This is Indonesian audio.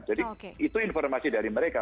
itu informasi dari mereka